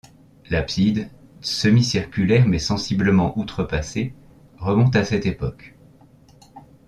L'abside, semi-circulaire mais sensiblement outrepassée, remonte à cette époque.